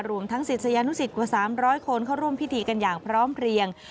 รวมทั้งศิษยานุสิตกว่า๓๐๐คนเข้าร่วมพิธีกันอย่างพร้อมเพลียง